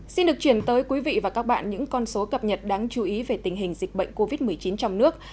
xin được chuyển tới quý vị và các bạn những con số cập nhật đáng chú ý về tình hình dịch bệnh covid một mươi chín trong nước